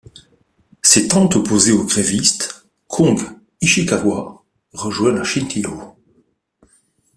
S'étant opposé aux grévistes, Kon Ichikawa rejoint la Shintōhō.